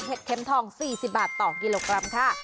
เข็มทอง๔๐บาทต่อกิโลกรัมค่ะ